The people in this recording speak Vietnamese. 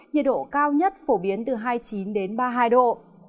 nhiệt độ cao nhất phổ biến từ hai mươi chín đến ba mươi hai độ